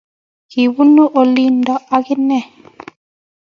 Kibunnu oldo agenge